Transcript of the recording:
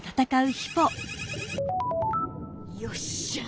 よっしゃあ